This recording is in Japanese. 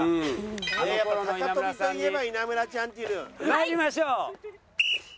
参りましょう。